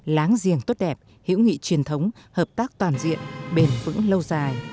láng giềng tốt đẹp hữu nghị truyền thống hợp tác toàn diện bền vững lâu dài